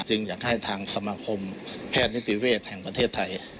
อยากให้ทางสมาคมแพทย์นิติเวศแห่งประเทศไทย